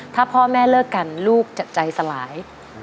ถ้าพ่อแม่เลิกกันลูกจะใจสลาย